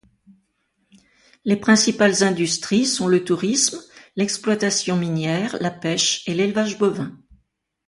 Les principales industries sont le tourisme, l'exploitation minière, la pêche et l'élevage bovin.